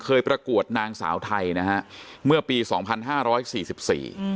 ประกวดนางสาวไทยนะฮะเมื่อปีสองพันห้าร้อยสี่สิบสี่อืม